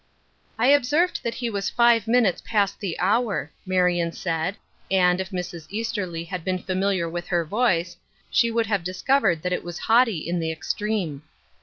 " I observed that he was five minutes past the hour," Marion said ; and, if Mrs. Easterly had been familiar with her voice, she would have dis covered that it was haughty in the extreme.